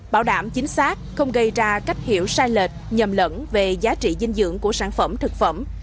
bảo đảm chính xác không gây ra cách hiểu sai lệch nhầm lẫn về giá trị dinh dưỡng của sản phẩm thực phẩm